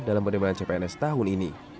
dalam penerimaan cpns tahun ini